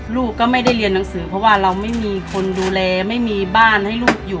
ลูกก็ไม่ได้เรียนหนังสือเพราะว่าเราไม่มีคนดูแลไม่มีบ้านให้ลูกอยู่